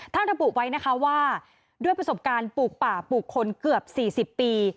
ระบุไว้นะคะว่าด้วยประสบการณ์ปลูกป่าปลูกคนเกือบ๔๐ปี